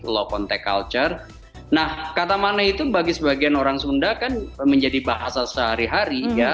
low contact culture nah kata mana itu bagi sebagian orang sunda kan menjadi bahasa sehari hari ya